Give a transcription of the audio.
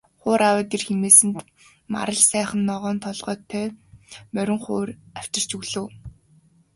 Хуур аваад ир хэмээсэнд Марал сайхан ногоон толгойтой морин хуур авчирч өглөө.